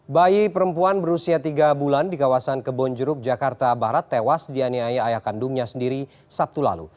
bayi perempuan berusia tiga bulan di kawasan kebonjeruk jakarta barat tewas dianiaya ayah kandungnya sendiri sabtu lalu